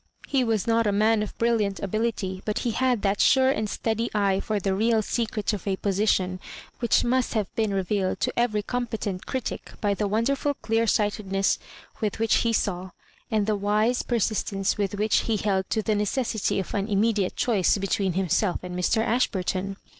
He was not a man of brilliant ability, but he had that eure and stead; eye for the real secret of a position which must have been revealed to every competent cntio by the wonderful clear sightedness with which he saw, and the wise persistence with which he held to the necessity of an immediate chokse between himself and Mr. Ashburton.